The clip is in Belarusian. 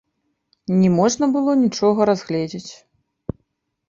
Не можна было нічога разгледзець.